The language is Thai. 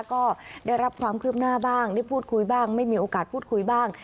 ก็ได้รับความคืบหน้าบ้างได้พูดคุยบ้างไม่มีโอกาสพูดคุยบ้าง